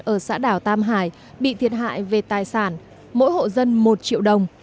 ở xã đảo tam hải bị thiệt hại về tài sản mỗi hộ dân một triệu đồng